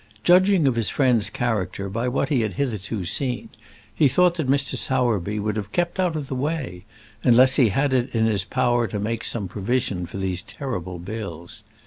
Judging of his friend's character by what he had hitherto seen, he thought that Mr. Sowerby would have kept out of the way, unless he had it in his power to make some provision for these terrible bills.